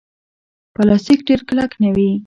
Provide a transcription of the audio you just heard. پلاستيک ډېر کلک نه وي.